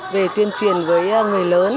về tuyên truyền với người lớn